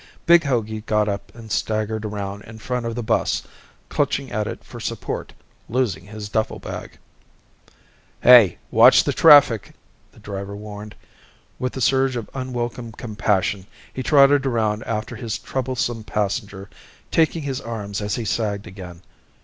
Big Hogey got up and staggered around in front of the bus, clutching at it for support, losing his duffle bag. "Hey, watch the traffic!" The driver warned. With a surge of unwelcome compassion he trotted around after his troublesome passenger, taking his arm as he sagged again.